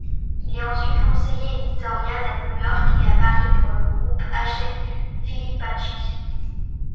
Il est ensuite conseiller éditorial à New-York et à Paris pour le groupe Hachette-Filippachi.